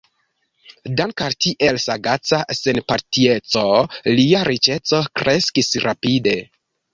Dank' al tiel sagaca senpartieco, lia riĉeco kreskis rapide.